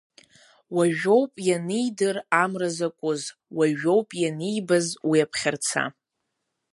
Уажәоуп ианидыр Амра закуз, уажәоуп ианибаз уи аԥхьарца!